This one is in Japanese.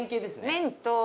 麺と。